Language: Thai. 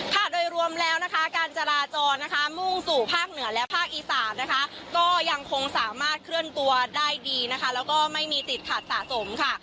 ค่ะโดยรวมแล้วนะคะการจราจรนะคะมุ่งสู่ภาคเหนือและภาคอีสานนะคะก็ยังคงสามารถเคลื่อนตัวได้ดีนะคะแล้วก็ไม่มีติดขัดสะสมค่ะ